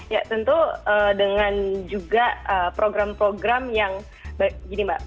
ya tentu dengan juga program program yang gini mbak